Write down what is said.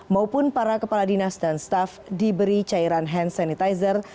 maupun para kepala dinas dan staff diberi cairan hand sanitizer